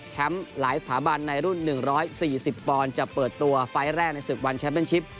หลายสถาบันในรุ่น๑๔๐ปอนด์จะเปิดตัวไฟล์แรกในศึกวันแชมป์เป็นชิป